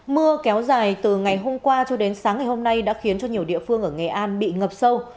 mưa kéo dài từ ngày hôm qua cho đến sáng ngày hôm nay đã khiến cho nhiều địa phương ở nghệ an bị ngập sâu